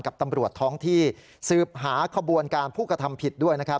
กับตำรวจท้องที่สืบหาขบวนการผู้กระทำผิดด้วยนะครับ